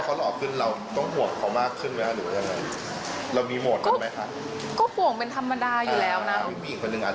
เขาบอกว่าไม่รักเมียมากกว่า